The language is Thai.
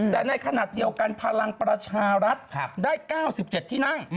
แต่ในขณะเดียวกันพลังประชารัฐได้๙๗ที่นั่ง